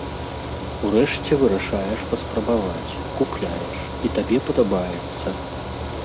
Урэшце вырашаеш паспрабаваць, купляеш, і табе падабаецца.